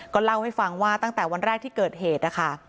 เล่าให้ฟังว่าตั้งแต่วันแรกที่เกิดเหตุนะคะ